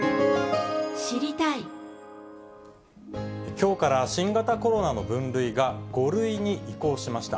きょうから新型コロナの分類が５類に移行しました。